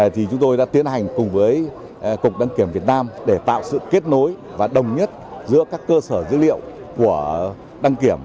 thì chúng tôi đã tiến hành cùng với cục đăng kiểm việt nam để tạo sự kết nối và đồng nhất giữa các cơ sở dữ liệu của đăng kiểm